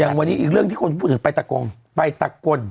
อย่างวันนี้อีกเรื่องที่คุณพูดถึงป่ายตะกงป่ายตะกล